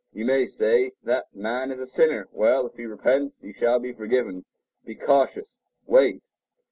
You may say, that man is a sinner. Well, if he repents, he shall be forgiven. Be cautious: await.